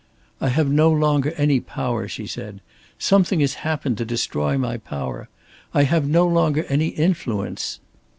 "I have no longer any power," she said. "Something has happened to destroy my power. I have no longer any influence.